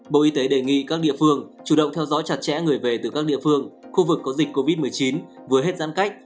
bộ y tế đề nghị các địa phương chủ động theo dõi chặt chẽ người về từ các địa phương khu vực có dịch covid một mươi chín vừa hết giãn cách